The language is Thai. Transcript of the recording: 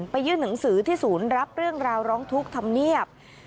ยื่นหนังสือที่ศูนย์รับเรื่องราวร้องทุกข์ธรรมเนียบ